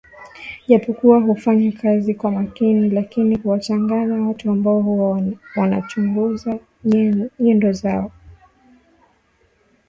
Japokuwa hufanya kazi kwa makini lakini huwachanganya watu ambao huwa wanachunguza nyendo zao